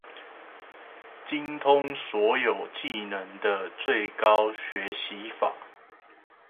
精通所有技能的最高學習法